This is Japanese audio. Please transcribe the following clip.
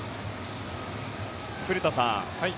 古田さん